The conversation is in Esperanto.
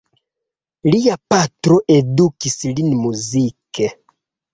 Lia patro edukis lin muzike.